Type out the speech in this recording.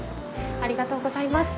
ありがとうございます。